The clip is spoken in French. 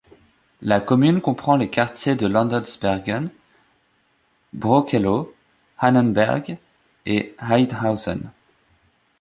La commune comprend les quartiers de Landesbergen, Brokeloh, Hahnenberg et Heidhausen.